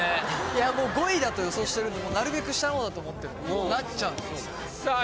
いやもう５位だと予想してるんでなるべく下の方だと思ってるんでこうなっちゃうんですよねさあ